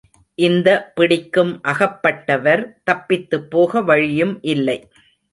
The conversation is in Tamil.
இந்த பிடிக்கும் அகப்பட்டவர் தப்பித்துப்போக வழியும் இல்லை.